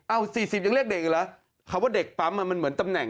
อ้าวสี่สิบยังเรียกเด็กอยู่แล้วคำว่าเด็กปั๊มมันเหมือนตำแหน่งอ่ะ